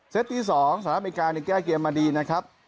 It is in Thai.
ที่๒สหรัฐอเมริกาแก้เกมมาดีนะครับ